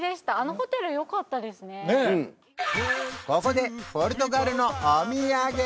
ここでポルトガルのお土産